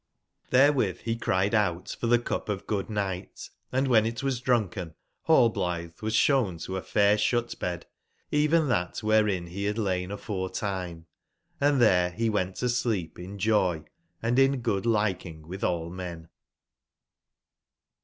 'Xberewitb be cried out for tbe cup of good/nigbt, and wben it was drunken, Hallblitbe was sbown to a fair sbut/bed; even tbat wberein be bad lain aforetime; and tbere bewent tosleep in joy, and in good liking witb all men.